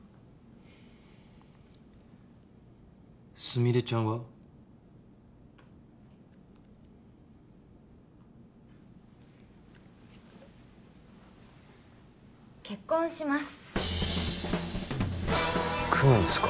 すみれちゃんは？結婚します。